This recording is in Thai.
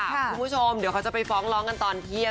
คุณผู้ชมเดี๋ยวเขาจะไปฟ้องร้องกันตอนเที่ยง